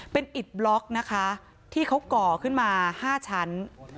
เป็นอิดบล็อกนะคะที่เขาก่อขึ้นมา๕ชั้น